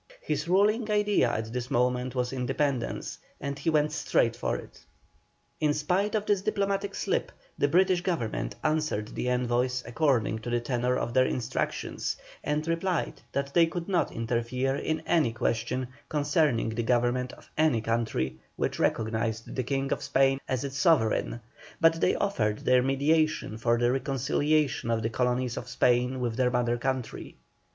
His ruling idea at this moment was independence, and he went straight for it. In spite of this diplomatic slip, the British Government answered the envoys according to the tenor of their instructions, and replied that they could not interfere in any question concerning the government of any country which recognised the King of Spain as its sovereign, but they offered their mediation for the reconciliation of the Colonies of Spain with the mother country.